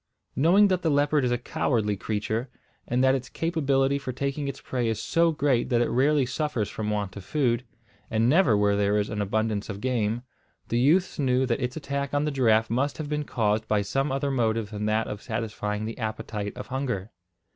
Knowing that the leopard is a cowardly creature, and that its capability for taking its prey is so great that it rarely suffers from want of food, and never where there is an abundance of game, the youths knew that its attack on the giraffe must have been caused by some other motive than that of satisfying the appetite of hunger.